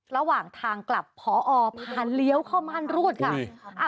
ระหว่างทางกลับพอพาเลี้ยวเข้าม่านรูดค่ะ